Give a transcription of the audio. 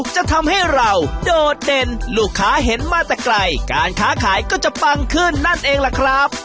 จะทำให้เราโดดเด่นลูกค้าเห็นมาแต่ไกลการค้าขายก็จะปังขึ้นนั่นเองล่ะครับ